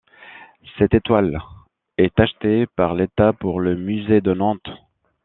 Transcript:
Cette toile est achetée par l’État pour le Musée de Nantes.